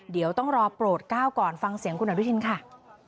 เดี๋ยวต้องรอโปรดก้าวก่อนฟังเสียงคุณอนุทินค่ะ